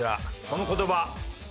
この言葉。